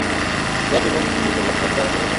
Jack এবং Bree খোশগল্প করতে দারুণ ভালোবাসে!